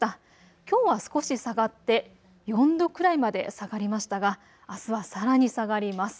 きょうは少し下がって４度くらいまで下がりましたがあすはさらに下がります。